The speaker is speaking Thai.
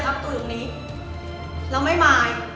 ขอบคุณค่ะ